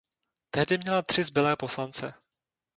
Tehdy měla tři zbylé poslance.